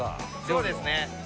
そうですね。